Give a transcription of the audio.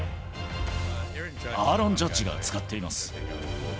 アーロン・ジャッジが使っています。